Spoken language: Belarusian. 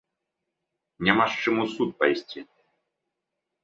Няма з чым у суд пайсці.